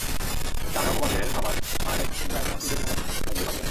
মীর সামেহ মোবাশ্বেরের বাবা মায়ের চিন্তা এখন ঈদের সময় কোথায় গিয়ে বাঁচবেন।